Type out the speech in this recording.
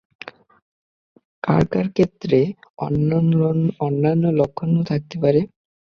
কারও কারও ক্ষেত্রে অন্যান্য লক্ষণও থাকতে পারে।